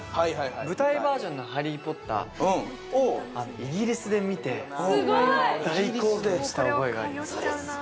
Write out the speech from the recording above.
舞台バージョンの「ハリー・ポッター」をイギリスで見て大興奮した覚えがあります